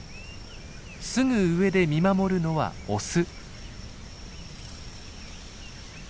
すぐ上で見守るのはオス。